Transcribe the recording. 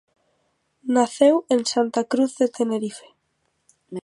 Naceu en Santa Cruz de Tenerife.